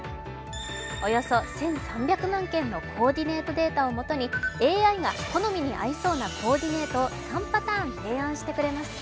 およそ１３００万件のコーディネートデータをもとにＡＩが好みに合いそうなコーディネートを３パターン提案してくれます